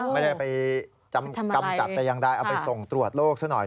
ไม่ได้ไปกำจัดแต่ยังได้เอาไปส่งตรวจโลกเฉพาะหน่อย